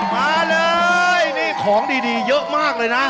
มาเลยนี่ของดีเยอะมากเลยนะ